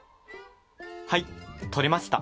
はいとれました。